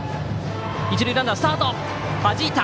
一塁ランナー、スタート！